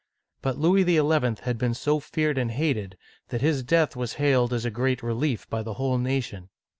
But Louis XL had been so feared and hated, that his death was hailed as a great relief by the whole nation.